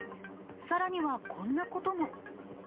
さらには、こんなことも。